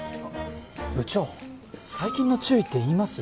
部長「最近の注意」って言います？